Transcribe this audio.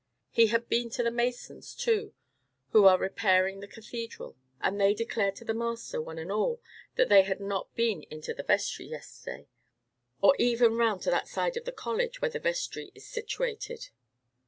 He had been to the masons, too, who are repairing the cathedral; and they declared to the master, one and all, that they had not been into the vestry yesterday, or even round to that side of the college where the vestry is situated."